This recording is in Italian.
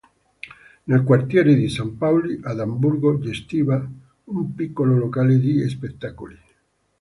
Nel quartiere di St. Pauli, ad Amburgo, gestiva un piccolo locale di spettacoli.